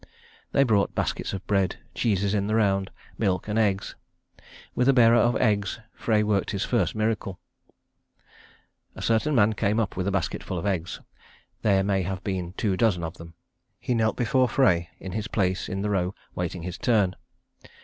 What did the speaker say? They brought baskets of bread, cheeses in the round, milk and eggs. With a bearer of eggs Frey worked his first miracle. A certain man came up with a basketful of eggs; there may have been two dozen of them. He knelt before Frey in his place in the row, waiting his turn.